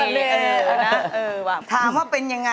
อยากจะได้แอบอิ่ง